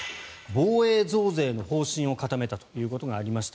防衛増税の方針を固めたということがありました。